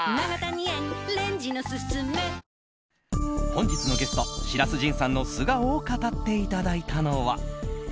本日のゲスト白洲迅さんの素顔を語っていただいたのは。